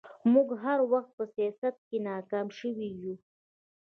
موږ هر وخت په سياست کې ناکام شوي يو